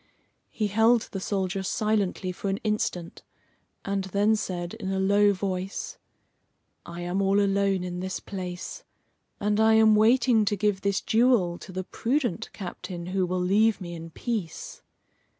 He held the soldier silently for an instant, and then said in a low voice: "I am all alone in this place, and I am waiting to give this jewel to the prudent captain who will leave me in peace."